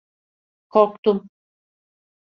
Korktum.